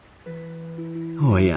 おや？